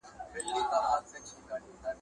خلکو د پیشو او سپیو غوښه خوړل پیل کړه.